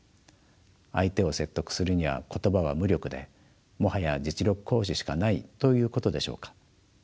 相手を説得するには言葉は無力でもはや実力行使しかないということでしょうか。